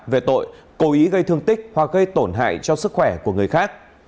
về tội cố ý gây thương tích hoặc gây tổn hại cho sức khỏe của người khác